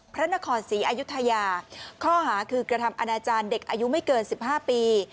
พระนครศรีอายุทยาข้อหาคือกระทำอนาจารย์เด็กอายุไม่เกิน๑๕ปี